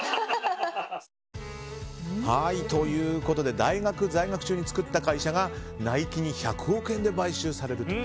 大学在学中に作った会社がナイキに１００億円で買収されるという。